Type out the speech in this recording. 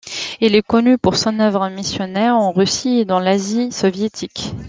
Il est connu pour son œuvre missionnaire en Russie et dans l'Asie soviétique.